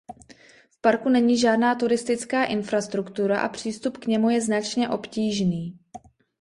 V parku není žádná turistická infrastruktura a přístup k němu je značně obtížný.